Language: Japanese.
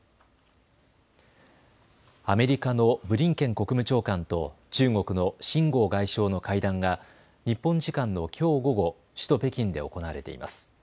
アメリカのブリンケン国務長官と中国の秦剛外相の会談が日本時間のきょう午後、首都・北京で行われています。